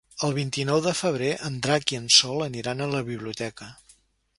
El vint-i-nou de febrer en Drac i en Sol aniran a la biblioteca.